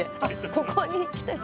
ここに来てた。